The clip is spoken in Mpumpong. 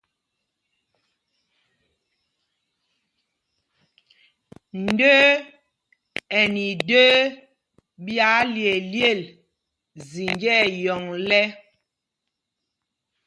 Ndə́ə́ ɛ nɛ idə́ə́ ɓī ályelyêl zinjá ɛyɔŋ lɛ̄.